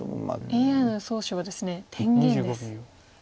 ＡＩの予想手はですね天元です。